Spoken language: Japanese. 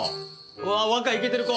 うわぁ若いイケてる子！